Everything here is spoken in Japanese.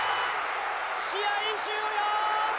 試合終了。